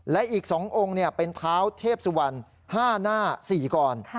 และอีก๒องค์เป็นเท้าเทพสุวรรณ๕หน้า๔กร